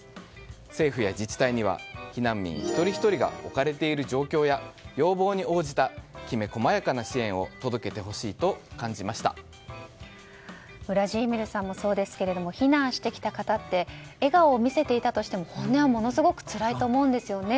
政府や自治体には避難民一人ひとりが置かれている状況や要望に応じたきめ細やかな支援を届けてほしいとウラジーミルさんもそうですが避難してきた方って笑顔を見せていたとしても本音はすごくつらいと思うんですね。